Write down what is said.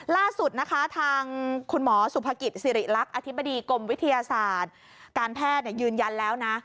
ล่าสุดนะคะทางคุณหมอสุภกิจสิริรักษ์อธิบดีกรมวิทยาศาสตร์การแพทย์ยืนยันแล้วนะ